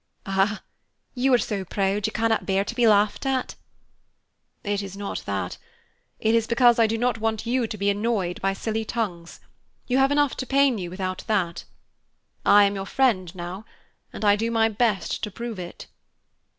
"Ah, you are so proud you cannot bear to be laughed at." "It is not that. It is because I do not want you to be annoyed by silly tongues; you have enough to pain you without that. I am your friend, now, and I do my best to prove it."